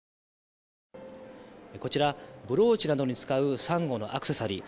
こちらブローチなどに使うサンゴのアクセサリー。